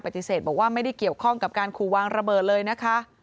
ปฏิเสธบอกว่าไม่ได้เกี่ยวข้องกับการขู่วางระเบิดเลยนะคะ